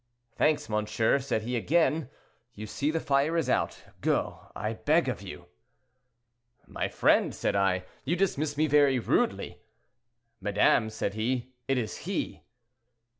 'Thanks, monsieur,' said he, again; 'you see the fire is out; go, I beg of you.' "'My friend,' said I, 'you dismiss me very rudely.' 'Madame,' said he, 'it is he.'